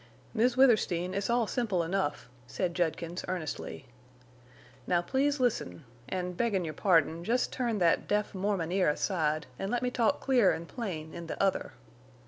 "Miss Withersteen, it's all simple enough," said Judkins, earnestly. "Now please listen—an' beggin' your pardon—jest turn thet deaf Mormon ear aside, an' let me talk clear an' plain in the other.